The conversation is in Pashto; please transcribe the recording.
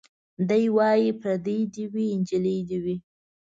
دی وايي پرېدۍ دي وي نجلۍ دي وي